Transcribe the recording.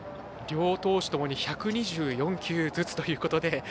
両投手ともに１２４球ずつということで。